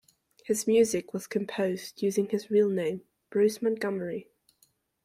His music was composed using his real name, Bruce Montgomery.